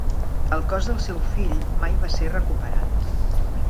El cos del seu fill mai va ser recuperat.